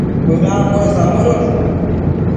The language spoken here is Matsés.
Bëdambuec samëdosh